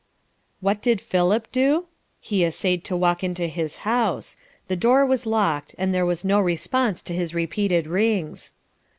What did Philip do? He essayed to walk into his house. The door was locked, and there was no response to his repeated rings.